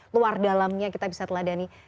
luar dalamnya kita bisa teladani